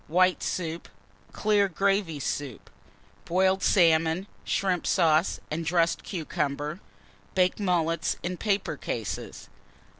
White Soup. Clear Gravy Soup. Boiled Salmon, Shrimp Sauce, and dressed Cucumber. Baked Mullets in paper cases.